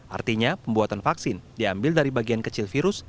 artinya pembuatan vaksin diambil dari bagian kecil virus